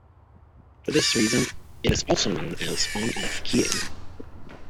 For this reason it is also known as "on-off keying".